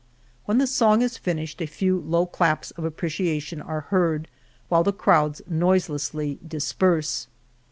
When the song is finished a few low claps of apprecia tion are heard while the crowds noiselessly disperse.